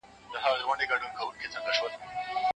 موږ بايد د افغانستان د خپلواکۍ لپاره تل هڅې وکړو.